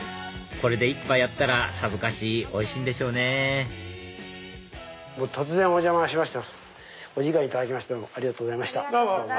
これで一杯やったらさぞかしおいしいんでしょうね突然お邪魔しましてお時間ありがとうございました。